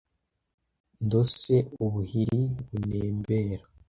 Ndose ubuhiri bunembera